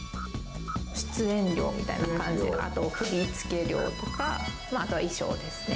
出演料みたいな感じと、あと振付料とか、あとは衣装ですね。